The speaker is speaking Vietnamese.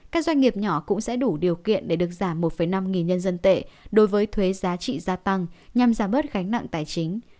các doanh nghiệp nhỏ cũng sẽ đủ điều kiện để được giảm một năm nghìn nhân dân tệ đối với thuế giá trị gia tăng nhằm giảm bớt gánh nặng tài chính